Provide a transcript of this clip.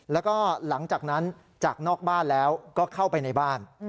แล้วก็หลังจากนั้นจากนอกบ้านแล้วก็เข้าไปในบ้าน